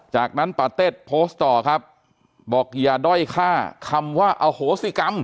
จากนั้นปาเต็ดโพสต์ต่อครับบอกอย่าด้อยฆ่าคำว่าอโหสิกรรม